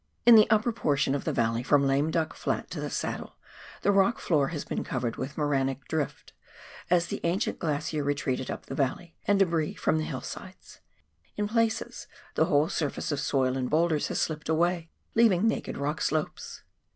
In the upper portion of the valley, from Lame Duck Flat to the saddle, the rock floor has been covered with morainic drift as the ancient glacier retreated up the valley, and debris from the hill sides — in places the whole surface of soil and boulders has slipped away, leaving naked rock slopes.